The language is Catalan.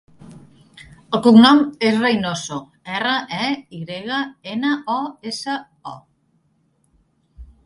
El cognom és Reynoso: erra, e, i grega, ena, o, essa, o.